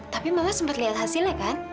tapi mama sempat lihat hasilnya kan